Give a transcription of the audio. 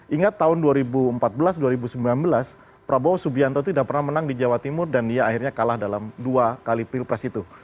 ingat tahun dua ribu empat belas dua ribu sembilan belas prabowo subianto tidak pernah menang di jawa timur dan dia akhirnya kalah dalam dua kali pilpres itu